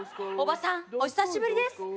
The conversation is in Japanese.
おばさんお久しぶりです